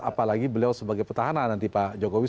apalagi beliau sebagai petahana nanti pak jokowi